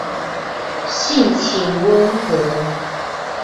性情温和。